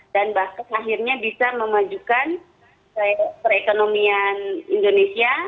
dan bahkan akhirnya bisa memajukan perekonomian indonesia